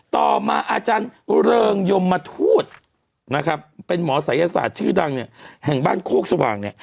ต่อมาอาจารย์เริงยมทูตเป็นหมอศัยยศาสตร์ชื่อดังแห่งบ้านโคกสว่าง